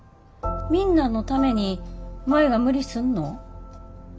みんなのために舞が無理すんの？